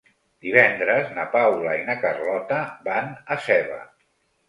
Divendres na Paula i na Carlota van a Seva.